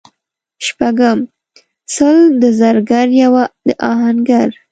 شپږم:سل د زرګر یوه د اهنګر